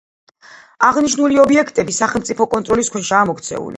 აღნიშნული ობიექტები სახელმწიფო კონტროლის ქვეშაა მოქცეული.